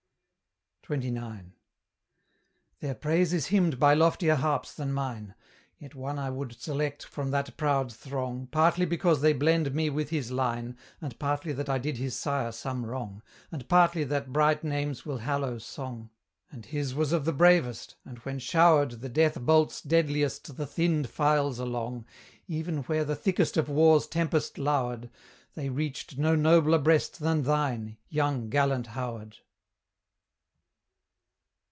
XXIX. Their praise is hymned by loftier harps than mine; Yet one I would select from that proud throng, Partly because they blend me with his line, And partly that I did his sire some wrong, And partly that bright names will hallow song; And his was of the bravest, and when showered The death bolts deadliest the thinned files along, Even where the thickest of war's tempest lowered, They reached no nobler breast than thine, young, gallant Howard!